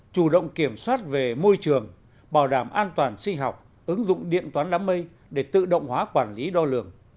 chủ động kiểm soát về môi trường bảo đảm an toàn sinh học ứng dụng điện toán đám mây để tự động hóa quản lý đo lường